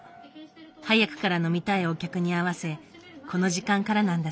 早くから飲みたいお客に合わせこの時間からなんだそう。